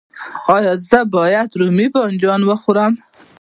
ایا زه باید رومی بانجان وخورم؟